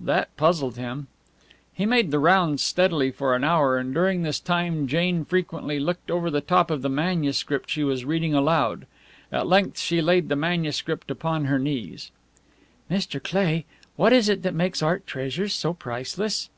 That puzzled him. He made the rounds steadily for an hour, and during this time Jane frequently looked over the top of the manuscript she was reading aloud. At length she laid the manuscript upon her knees. "Mr. Cleigh, what is it that makes art treasures so priceless?"